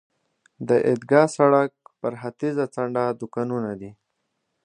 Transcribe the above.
د عیدګاه سړک پر ختیځه څنډه دوکانونه دي.